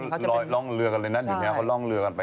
เขาลองเรือกันเลยนะทีนี้เขาลองเรือกันไป